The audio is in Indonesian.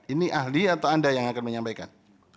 ini ahli atau anda yang akan menyampaikan